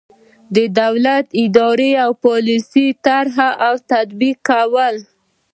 د دولت د اداري پالیسۍ طرح او تطبیق کول.